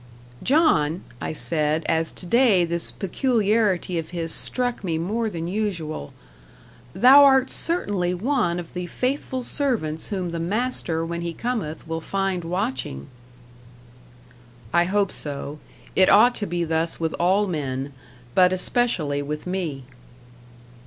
"John," I said, as to day this peculiarity of his struck me more than usual, "thou art certainly one of the faithful servants whom the Master when He cometh will find watching." "I hope so. It ought to be thus with all men but especially with me."